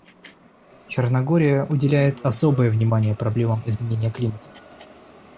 Черногория уделяет особое внимание проблемам изменения климата.